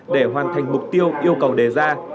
để hoàn thành mục tiêu yêu cầu đề ra